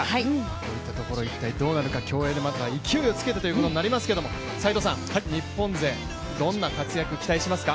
そういったところがどうなるのか、まずは競泳で勢いをつけてということになりますけれども、斎藤さん、日本勢、どんな活躍期待しますか？